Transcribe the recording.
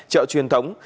chợ truyền thống